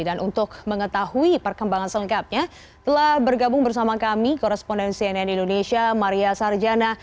dan untuk mengetahui perkembangan selengkapnya telah bergabung bersama kami korresponden cnn indonesia maria sarjana